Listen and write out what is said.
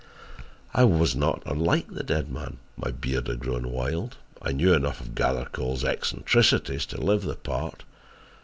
"I was not unlike the dead man. My beard had grown wild and I knew enough of Gathercole's eccentricities to live the part.